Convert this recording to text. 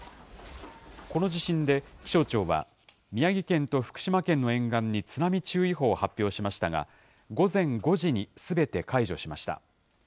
この地震で、気象庁は、宮城県と福島県の沿岸に津波注意報を発表しましたが、午前５時にすべて解除しました。